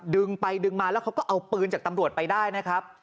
ดึงไปดึงมาแล้วเขาก็เอาปืนจากตำรวจไปได้นะครับ